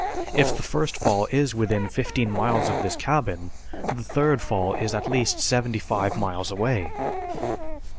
If the first fall is within fifteen miles of this cabin the third fall is at least seventy five miles away."